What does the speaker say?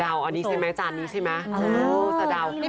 สะดาวอันนี้ใช่ไหมจานนี้ใช่ไหม